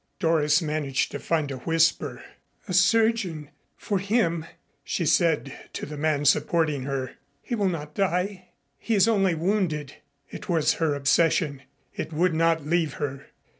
Doris managed to find a whisper. "A surgeon for him," she said to the man supporting her. "He will not die. He is only wounded." It was her obsession. It would not leave her.